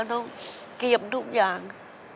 ก็ต้องเก็บทุกอย่าง